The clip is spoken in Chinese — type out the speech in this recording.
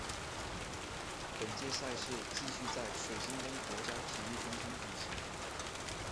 本届赛事继续在水晶宫国家体育中心举行。